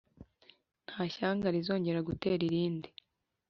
nta shyanga rizongera gutera irindi